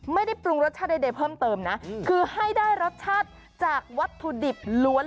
ไม่ได้ปรุงรสชาติใดเพิ่มเติมนะคือให้ได้รสชาติจากวัตถุดิบล้วน